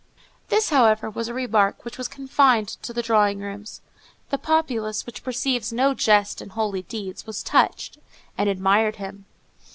_ This, however, was a remark which was confined to the drawing rooms. The populace, which perceives no jest in holy deeds, was touched, and admired him.